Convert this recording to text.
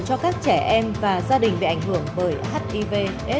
cho các trẻ em và gia đình bị ảnh hưởng bởi hivs